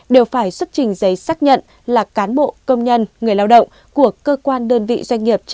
đều phải xuất trình giấy xác nhận là cán bộ công nhân người lao động của cơ quan đơn vị doanh nghiệp